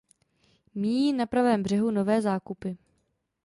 Míjí na pravém břehu Nové Zákupy.